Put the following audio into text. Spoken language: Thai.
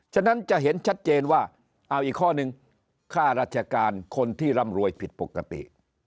ฉะนั้นจะเห็นชัดเจนว่าเอาอีกข้อนึงค่าราชการคนที่ร่ำรวยผิดปกติ